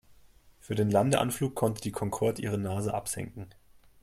Für den Landeanflug konnte die Concorde ihre Nase absenken.